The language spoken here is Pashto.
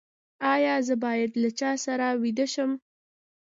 ایا زه باید له چا سره ویده شم؟